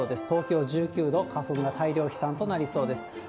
東京１９度、花粉が大量飛散となりそうです。